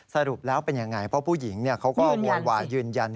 สรุปแล้วเป็นยังไงเพราะผู้หญิงเขาก็โวยวายยืนยัน